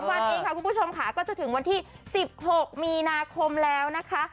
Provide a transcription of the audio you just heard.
วันเองค่ะคุณผู้ชมค่ะก็จะถึงวันที่๑๖มีนาคมแล้วนะคะ